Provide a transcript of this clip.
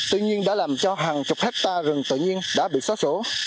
tuy nhiên đã làm cho hàng chục hectare rừng tự nhiên đã bị xóa sổ